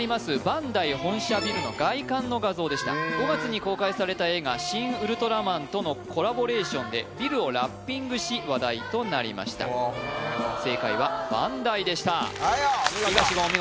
バンダイ本社ビルの外観の画像でした５月に公開された映画「シン・ウルトラマン」とのコラボレーションでビルをラッピングし話題となりました正解はバンダイでした東言お